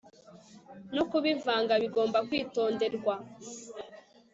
no kubivanga bigomba kwitonderwa